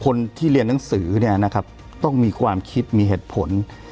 คนที่เรียนหนังสือต้องมีความคิดมีเหตุผล